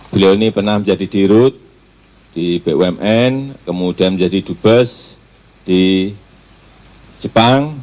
beliau ini pernah menjadi dirut di bumn kemudian menjadi dubes di jepang